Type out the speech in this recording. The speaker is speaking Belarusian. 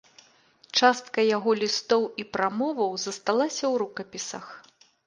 Частка яго лістоў і прамоваў засталася ў рукапісах.